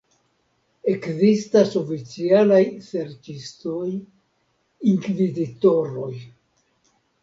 Ekzistas oficialaj serĉistoj, inkvizitoroj.